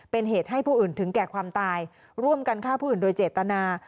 เป็นเหตุให้ผู้อื่นถึงแก่ความตายร่วมกันฆ่าผู้อื่นโดยเจตนา